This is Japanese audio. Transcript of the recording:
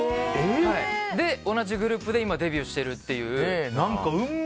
で、同じグループで今、デビューしてるっていう。